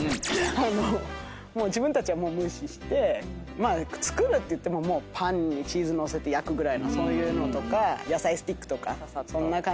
まあ作るっていってもパンにチーズ載せて焼くぐらいのそういうのとか野菜スティックとかそんな感じで。